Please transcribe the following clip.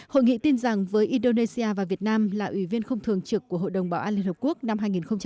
hội nghị tin rằng với indonesia và việt nam là ủy viên không thường trực của hội đồng bảo an liên hợp quốc năm hai nghìn hai mươi